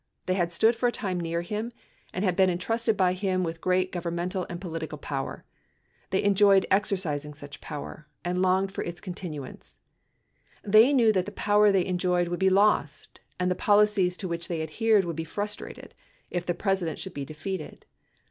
They had stood for a time near to him, and had been entrusted by him with great, governmental and political power. They enjoyed exercising such power, and longed for its continuance. They knew that the power they enjoyed would be lost and the poli cies to which they adhered would be frustrated if the President should be defeated.